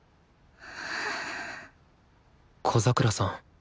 小桜さん